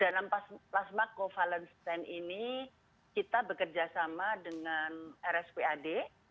dalam plasma covalescence ini kita bekerjasama dengan rspad